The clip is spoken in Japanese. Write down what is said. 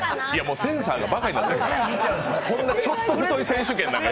センサーがばかになってるから。